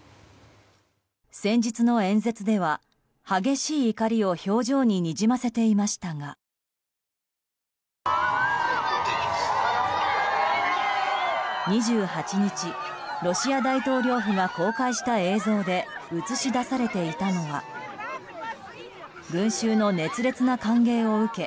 先日の演説では激しい怒りを表情に、にじませていましたが２８日、ロシア大統領府が公開した映像で映し出されていたのは群衆の熱烈な歓迎を受け